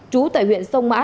chú tại huyện sông mã